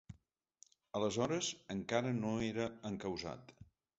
Aleshores encara no era encausat.